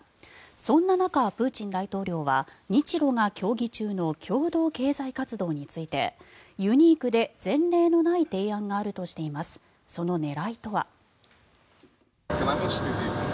そんな中、プーチン大統領は日ロが協議中の共同経済活動についてユニークで前例のない提案があるとしています。